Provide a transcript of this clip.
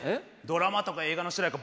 ドラマとか映画の主題歌